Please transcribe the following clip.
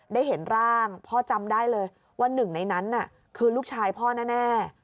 ได้เห็นร่างพ่อจำได้เลยว่าหนึ่งในนั้นน่ะคือลูกชายพ่อแน่